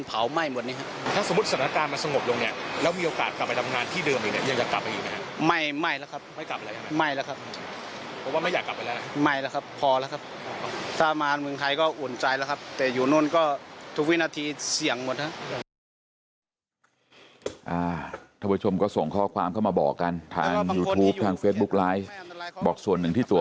เอ๊ะบอกว่าไม่อยากกลับไปแล้ว